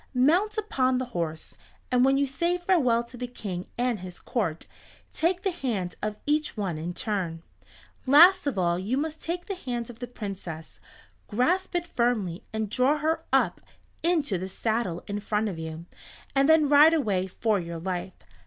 Mount upon the horse, and when you say farewell to the King and his court, take the hand of each one in turn. Last of all you must take the hand of the Princess. Grasp it firmly, and draw her up into the saddle in front of you, and then ride away for your life.